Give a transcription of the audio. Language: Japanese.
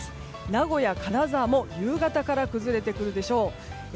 名古屋、金沢も夕方から崩れてくるでしょう。